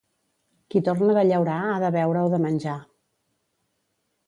Qui torna de llaurar ha de beure o de menjar.